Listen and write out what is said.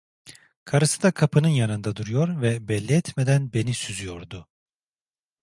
Karısı da kapının yanında duruyor ve belli etmeden beni süzüyordu.